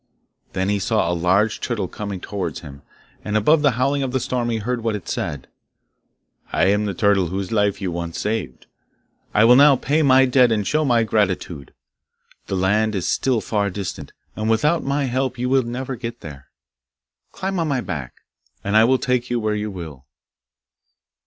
Then he saw a large turtle coming towards him, and above the howling of the storm he heard what it said: 'I am the turtle whose life you once saved. I will now pay my debt and show my gratitude. The land is still far distant, and without my help you would never get there. Climb on my back, and I will take you where you will.